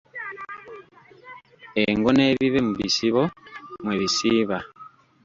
Engo n’ebibe mu bisibo mwe bisiiba.